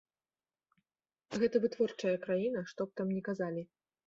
Гэта вытворчая краіна, што б там ні казалі.